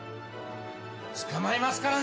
捕まえますからね。